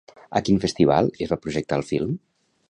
A quin festival es va projectar el film?